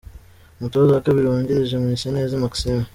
Umutoza wa kabiri wungirije: Mwiseneza Maxime.